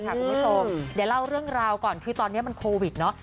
คุณผู้ชมเดี๋ยวเล่าเรื่องราวก่อนคือตอนนี้มันโควิดเนาะ